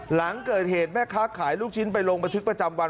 หลังเกิดเหตุแม่ค้าขายลูกชิ้นไปลงบันทึกประจำวัน